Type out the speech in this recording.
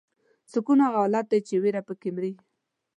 سکون هغه حالت دی چې ویره پکې مري.